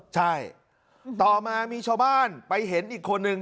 ใช่ต่อมามีชาวบ้านไปเห็นอีกคนนึง